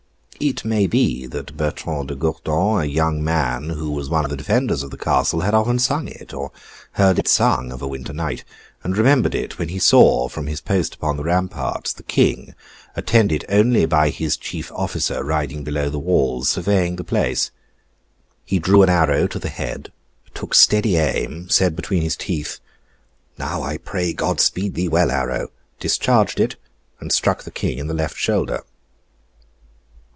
It may be that Bertrand de Gourdon, a young man who was one of the defenders of the castle, had often sung it or heard it sung of a winter night, and remembered it when he saw, from his post upon the ramparts, the King attended only by his chief officer riding below the walls surveying the place. He drew an arrow to the head, took steady aim, said between his teeth, 'Now I pray God speed thee well, arrow!' discharged it, and struck the King in the left shoulder.